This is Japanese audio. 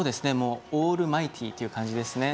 オールマイティーという感じです。